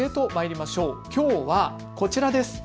きょうはこちらです。